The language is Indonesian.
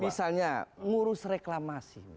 misalnya ngurus reklamasi